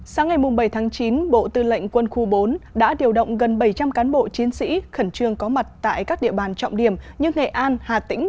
sáng ngày bảy chín bộ tư lệnh quân khu bốn đã điều động gần bảy trăm linh cán bộ chiến sĩ khẩn trương có mặt tại các địa bàn trọng điểm như nghệ an hà tĩnh